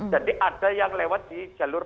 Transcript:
jadi ada yang lewat di jalur